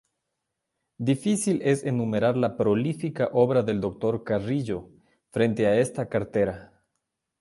Difícil es enumerar la prolífica obra del Dr. Carrillo frente a esta cartera.